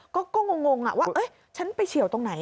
ก็งงว่าฉันไปเฉียวตรงไหน